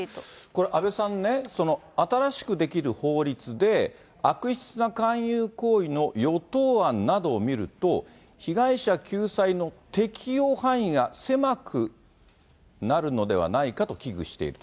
これ、阿部さんね、新しく出来る法律で、悪質な勧誘行為の与党案などを見ると、被害者救済の適用範囲が狭くなるのではないかと危惧している。